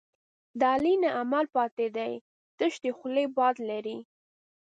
د علي نه عمل پاتې دی، تش د خولې باد لري.